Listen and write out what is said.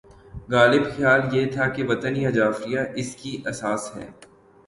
غالب خیال یہ تھا کہ وطن یا جغرافیہ اس کی اساس ہے۔